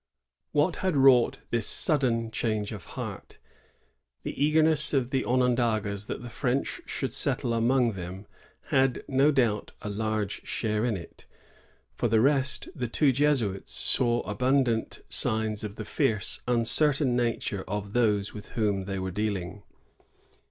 What had wrought this sudden change of heart? The eagerness of the Onondagas that the French should settle among them had, no doubt, a large share in it. For the rest, the two Jesuits saw abimd ant signs of the fierce, uncertain nature of those with whom they were dealing.